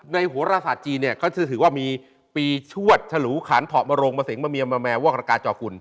ในโหรศาสตร์จีนเขาจะถือว่ามีปีชวดฉลูขานเผาะมะโรงมาเสียงมะเมียมาแมว่วกระกาจอคุณ